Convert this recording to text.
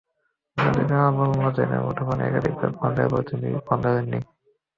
অন্যদিকে আবদুল মতিনের মুঠোফোনে একাধিকবার ফোন দেওয়ার পরেও তিনি ফোন ধরেননি।